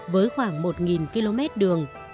với khoảng một km đường